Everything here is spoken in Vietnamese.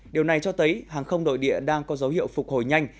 điều này cho thấy hàng không nội địa đang có dấu hiệu phục hồi nhanh